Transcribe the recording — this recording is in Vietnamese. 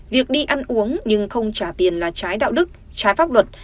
việc đi ăn uống nhưng không trả tiền là trái đạo đức trái pháp luật